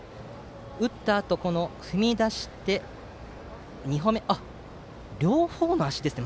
打ったあと、踏み出して２歩目これは、両方の足ですね。